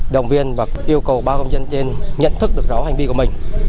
đồng viên và yêu cầu bác công dân trên nhận thức được rõ hành vi của mình